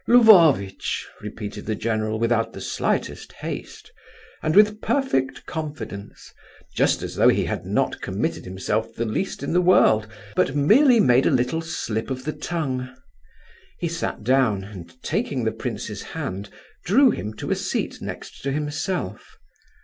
"Lvovitch," repeated the general without the slightest haste, and with perfect confidence, just as though he had not committed himself the least in the world, but merely made a little slip of the tongue. He sat down, and taking the prince's hand, drew him to a seat next to himself.